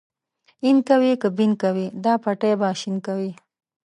اين کوې که بېن کوې دا پټی به شين کوې.